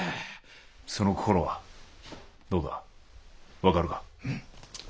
その心はどうだ分かるか？